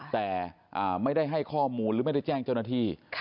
แต่ไม่ได้ให้ข้อมูลหรือไม่ได้แจ้งเจ้าหน้าที่